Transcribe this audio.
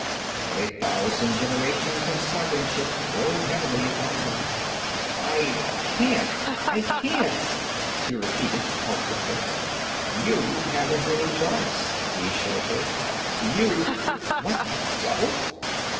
But a thousand generations of sovereignship rode heavy upon her. 'I can't! I can't!' she repeated helplessly. 'You haven't any choice,' he assured her. 'You what the devil!'